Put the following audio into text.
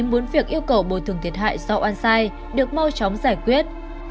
muốn việc yêu cầu bồi thường thiệt hại do an sang được mau chóng giải quyết